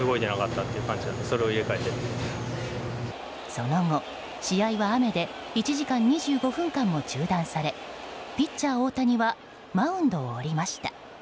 その後、試合は雨で１時間２５分間も中断されピッチャー大谷はマウンドを降りました。